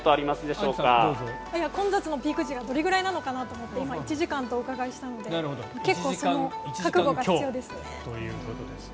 混雑のピーク時がどれくらいなのかなと思って今、１時間とお伺いしたので結構、覚悟が必要ですね。